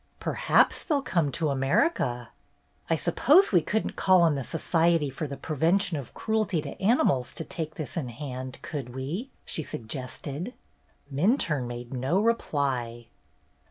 "Perhaps they 'll come to America." " I suppose we could n't call on the Society for the Prevention of Cruelty to Animals to take this in hand, could we?" she suggested. Minturne made no reply.